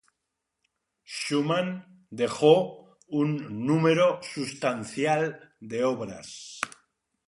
Schuman dejó un número sustancial de obras.